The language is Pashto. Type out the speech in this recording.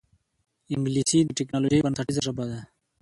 انګلیسي د ټکنالوجۍ بنسټیزه ژبه ده